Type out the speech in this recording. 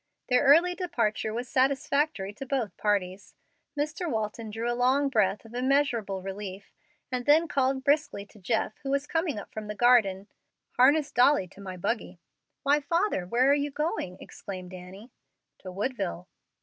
Their early departure was satisfactory to both parties. Mr. Walton drew a long breath of immeasurable relief, and then called briskly to Jeff, who was coming up from the garden, "Harness Dolly to my buggy." "Why, father, where are you going?" exclaimed Annie. "To Woodville."